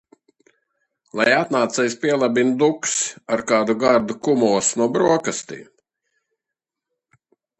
Lai atnācējs pielabina Duksi ar kādu gardu kumosu no brokastīm.